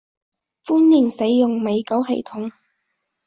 歡迎使用米狗系統